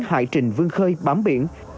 hải trình vương khơi bám biển